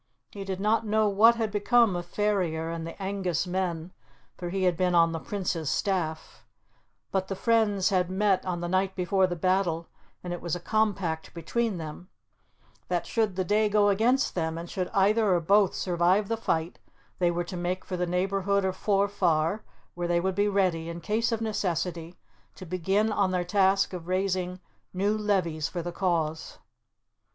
He did not know what had become of Ferrier and the Angus men, for he had been on the Prince's staff; but the friends had met on the night before the battle, and it was a compact between them, that, should the day go against them, and should either or both survive the fight, they were to make for the neighbourhood of Forfar, where they would be ready, in case of necessity, to begin on their task of raising new levies for the cause.